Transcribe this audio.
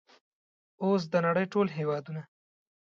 اوس د نړۍ ټول هیوادونه